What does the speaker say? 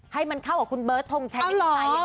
ให้มันเข้ากับคุณเบิร์ดทองชัยอินไตยอย่างไรนะ